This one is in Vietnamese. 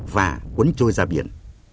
và quấn trôi ra biển